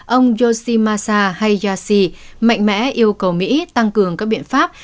ông yoshimasa hayashi mạnh mẽ yêu cầu mỹ tăng cường các biện pháp